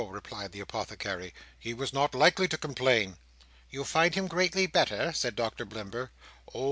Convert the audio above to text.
replied the Apothecary. "He was not likely to complain." "You find him greatly better?" said Doctor Blimber. "Oh!